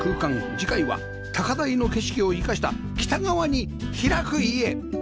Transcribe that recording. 次回は高台の景色を生かした北側に開く家